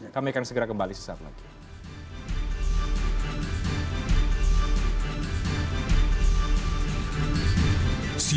kami akan segera kembali sesaat lagi